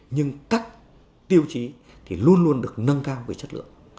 nhưng các tiêu chí thì luôn luôn được nâng cao về chất lượng